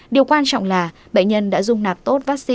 điều quan trọng là bệnh nhân đã dùng nạp tốt